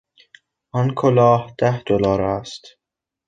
آن کلاه ده دلار است